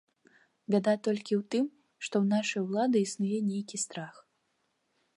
Бяда толькі ў тым, што ў нашай улады існуе нейкі страх.